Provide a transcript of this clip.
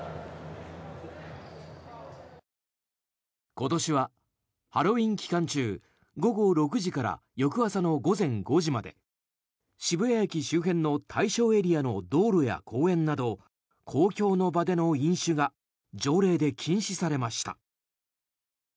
今年はハロウィーン期間中午後６時から翌朝の午前５時まで渋谷駅周辺の対象エリアの道路や公園など公共の場での飲酒が条例で禁止されました。